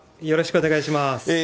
よろしくお願いします。